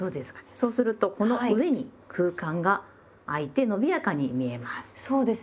そうするとこの上に空間があいてのびやかに見えます。